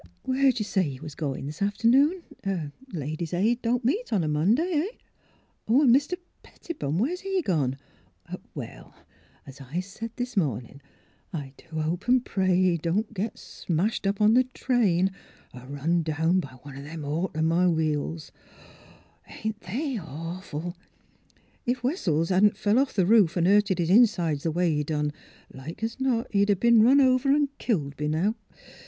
Where 'd you say you was goin' this afternoon? The Ladies' Aid don't meet a Monday — heh? — Oh! An' Mr. Pettibone — Where's he gone? — Oh! Well; as I said this mornin', I do hope an' pray he don't git smashed up on the train, er run down by one o' them automobiles. My! ain't they awful! If Wessels hadn't fell off the roof an' hurted 'is insides the way he done, like es not he'd a been run over an' killed b' now.